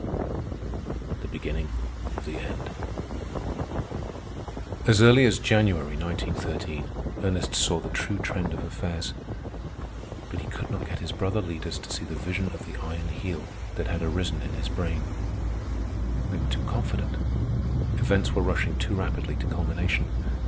THE BEGINNING OF THE END As early as January, 1913, Ernest saw the true trend of affairs, but he could not get his brother leaders to see the vision of the Iron Heel that had arisen in his brain. They were too confident. Events were rushing too rapidly to culmination.